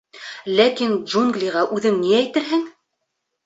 Ләкин джунглиға үҙең ни әйтерһең?